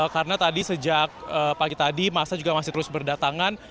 karena tadi sejak pagi tadi masa juga masih terus berdatangan